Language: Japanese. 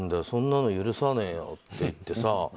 そんなの許さねえよって言ってさ。